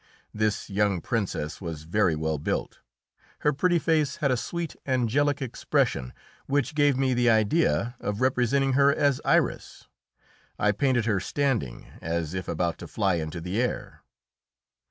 This young Princess was very well built; her pretty face had a sweet, angelic expression, which gave me the idea of representing her as Iris. I painted her standing, as if about to fly into the air.